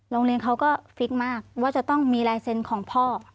โรงเรียนเขาก็ฟิกมากว่าจะต้องมีลายเซ็นต์ของพ่อ